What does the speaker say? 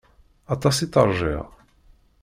Aṭas i tt-rjiɣ.